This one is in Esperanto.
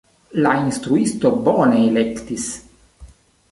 La instruisto bone elektis.